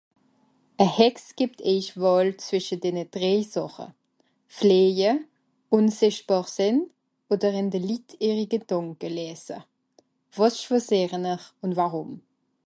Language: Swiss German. a Hexe gìbt eich wàhl zwìschen denne drei sàche fleije ùnsìchtbàr sìn oder ìn de Lit eirige gedànke gelässe wàs chwosieren'r und warum